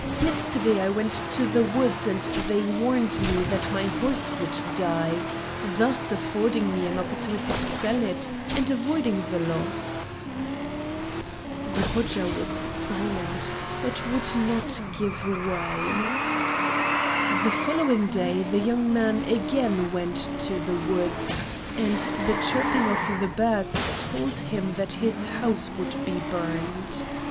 Yesterday I went to the woods and they warned me that my horse would die, thus affording me an opportunity of selling it and avoiding the loss." The Hodja was silent, but would not give way. The following day the young man again went to the woods, and the chirping of the birds told him that his house would be burned.